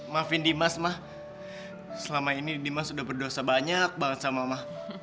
maafin dimas ma selama ini dimas udah berdosa banyak banget sama ma